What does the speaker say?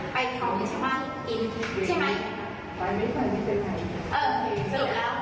ไม่ได้เสียงไม่ได้สัตว์ไม่ได้สัตว์ไม่ได้สัตว์